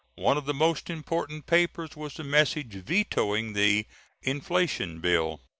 One of his most important papers was the message vetoing the "inflation bill."